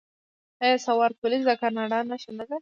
آیا سوار پولیس د کاناډا نښه نه ده؟